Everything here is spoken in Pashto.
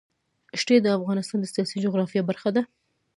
ښتې د افغانستان د سیاسي جغرافیه برخه ده.